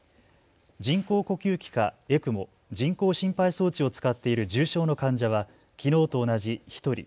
人工呼吸器かＥＣＭＯ・人工心肺装置を使っている重症の患者はきのうと同じ１人。